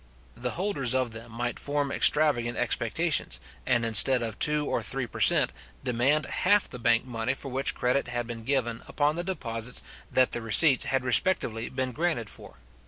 The holders of them might form extravagant expectations, and, instead of two or three per cent. demand half the bank money for which credit had been given upon the deposits that the receipts had respectively been granted for.